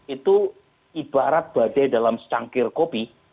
itu ibarat badai dalam secangkir kopi